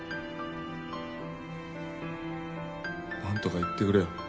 なんとか言ってくれよ。